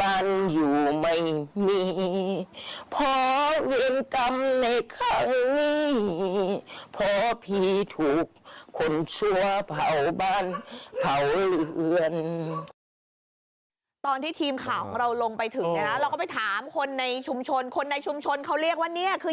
บ้านอยู่ไม่มีพอเรียนกรรมในข้างนี้